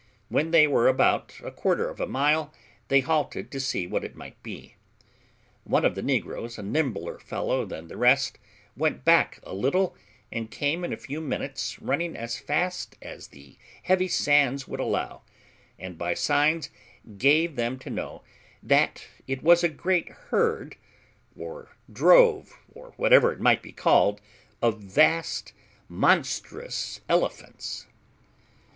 When they were about a quarter of a mile, they halted to see what it might be. One of the negroes, a nimbler fellow than the rest, went back a little, and came in a few minutes running as fast as the heavy sands would allow, and by signs gave them to know that it was a great herd, or drove, or whatever it might be called, of vast monstrous elephants.